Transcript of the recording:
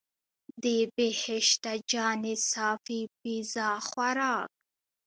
د بهشته جانې صافی پیزا خوراک.